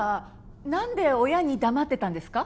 何で親に黙ってたんですか？